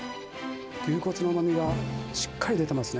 牛骨のうまみがしっかり出てますね。